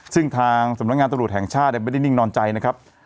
ซึ่งทางสำนักงานตำรวจแห่งชาติไม่ได้นิ่งนอนใจนะครับ